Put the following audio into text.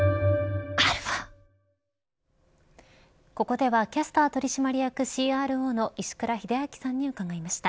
ここではキャスター取締役ＣＲＯの石倉秀明さんに伺いました。